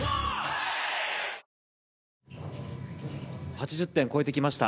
８０点を超えてきました。